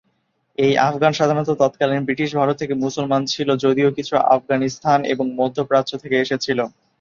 এই "আফগান" সাধারণত তৎকালীন ব্রিটিশ ভারত থেকে মুসলমান ছিল, যদিও কিছু আফগানিস্তান এবং মধ্যপ্রাচ্য থেকে এসেছিল।